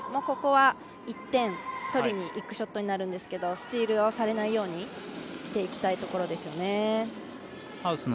ここは１点を取りにいくショットになるんですがスチールをされないようにしていきたいところですね。